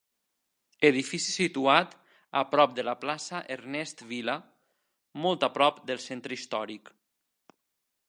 Edifici situat a prop de la Plaça Ernest Vila, molt a prop del centre històric.